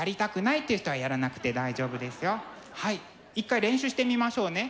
１回練習してみましょうね。